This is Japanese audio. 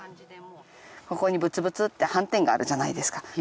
ここにブツブツって斑点があるじゃないですか。